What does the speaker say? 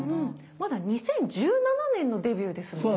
まだ２０１７年のデビューですもんね。